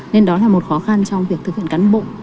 nên đó là một khó khăn trong việc thực hiện